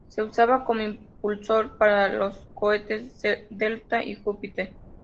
Se usaba como impulsor para los cohetes Delta y Júpiter.